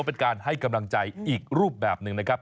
เป็นการให้กำลังใจอีกรูปแบบหนึ่งนะครับ